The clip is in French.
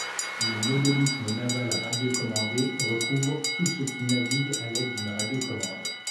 Le modélisme naval radiocommandé recouvre tout ce qui navigue à l'aide d'une radio commande.